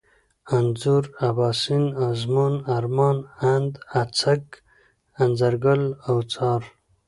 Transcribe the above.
انځور ، اباسين ، ازمون ، ارمان ، اند، اڅک ، انځرگل ، اوڅار